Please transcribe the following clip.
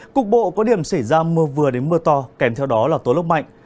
cục bộ có điểm xảy ra mưa vừa đến mưa to kèm theo đó là tố lốc mạnh